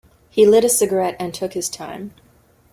He lit a cigarette and took his time.